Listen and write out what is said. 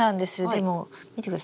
でも見てください。